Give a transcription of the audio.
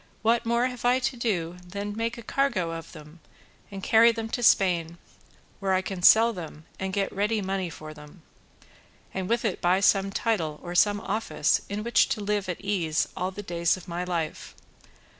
What more have I to do than make a cargo of them and carry them to Spain, where I can sell them and get ready money for them, and with it buy some title or some office in which to live at ease all the days of my life?